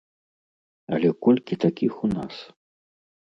Але колькі такіх у нас?